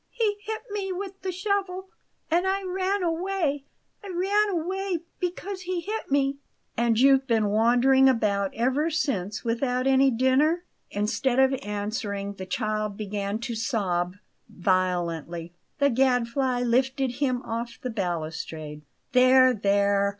"He hit me with the shovel and I ran away I ran away because he hit me." "And you've been wandering about ever since, without any dinner?" Instead of answering, the child began to sob violently. The Gadfly lifted him off the balustrade. "There, there!